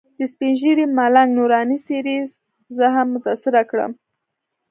د سپین ږیري ملنګ نوراني څېرې زه هم متاثره کړم.